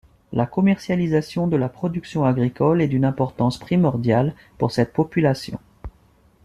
La commercialisation de la production agricole est d'une importance primordiale pour cette population.